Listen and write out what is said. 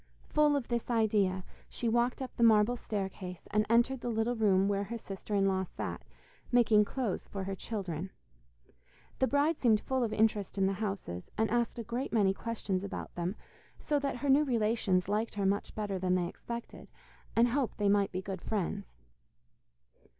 Full of this idea she walked up the marble staircase, and entered the little room where her sister in law sat, making clothes for her children. The bride seemed full of interest in the houses, and asked a great many questions about them, so that her new relations liked her much better than they expected, and hoped they might be good friends.